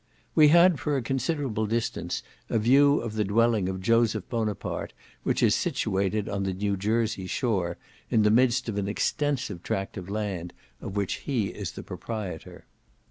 We had, for a considerable distance, a view of the dwelling of Joseph Bonaparte, which is situated on the New Jersey shore, in the midst of an extensive tract of land, of which he is the proprietor.